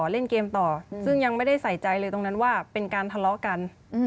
เล่นเกมต่อซึ่งยังไม่ได้ใส่ใจเลยตรงนั้นว่าเป็นการทะเลาะกัน